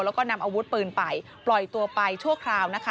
แล้วก็นำอาวุธปืนไปปล่อยตัวไปชั่วคราวนะคะ